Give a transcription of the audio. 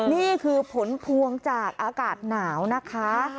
นี่คือผลพวงจากอากาศหนาวนะคะ